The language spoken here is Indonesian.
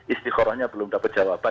istiqorohnya belum dapat jawaban